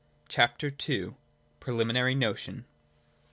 CHAPTER II. PRELIMINARY NOTION.